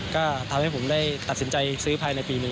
ก็ทำให้ผมได้ตัดสินใจซื้อภายในปีนี้